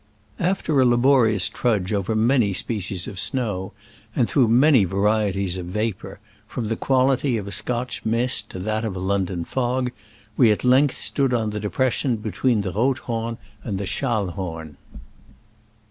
After a laborious trudge over many species of snow, and through many va rieties of vapor — from the quality of a Scotch mist to that of a London fog — we at length stood on the depression between the Rothhorn and the Schallhorn.